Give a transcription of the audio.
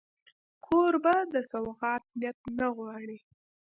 کوربه د سوغات نیت نه غواړي.